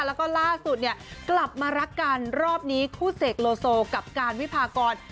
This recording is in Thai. แล้วก็ล่าสุดเนี่ยกลับมารักกันรอบนี้คู่เสกโลโซกับการวิพากร